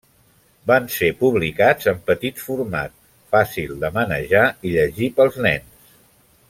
Van ser publicats en petit format, fàcil de manejar i llegir pels nens.